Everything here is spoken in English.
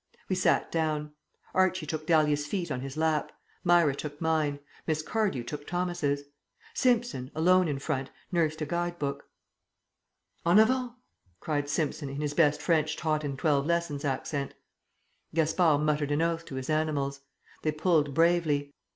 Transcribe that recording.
We sat down. Archie took Dahlia's feet on his lap, Myra took mine, Miss Cardew took Thomas's. Simpson, alone in front, nursed a guide book. "En avant!" cried Simpson in his best French taught in twelve lessons accent. Gaspard muttered an oath to his animals. They pulled bravely.